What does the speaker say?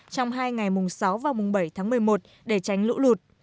trong hai ngày sáu và bảy tháng một mươi một để tránh lũ lụt